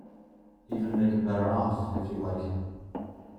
Even make him better off, if you like.